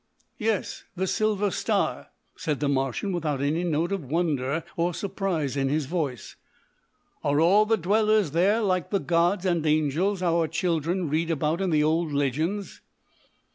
"Yes, the Silver Star," said the Martian without any note of wonder or surprise in his voice. "Are all the dwellers there like the gods and angels our children read about in the old legends?"